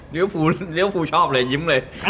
เลือกผู้ชอบเลยยิ้มเลย